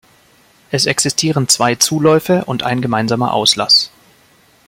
Es existieren zwei Zuläufe und ein gemeinsamer Auslass.